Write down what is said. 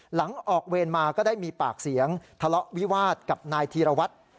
หลังออกเวรมาก็ได้มีปากเสียงทะเลาะวิวาสกับนายธีรวัตร